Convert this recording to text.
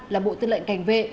là bộ tư lệnh cảnh vệ